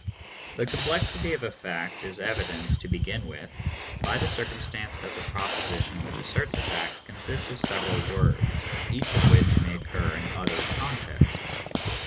The complexity of a fact is evidenced, to begin with, by the circumstance that the proposition which asserts a fact consists of several words, each of which may occur in other contexts.